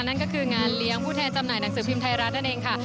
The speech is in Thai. นั่นก็คืองานเลี้ยงผู้แทนจำหน่ายหนังสือพิมพ์ไทยรัฐนั่นเองค่ะ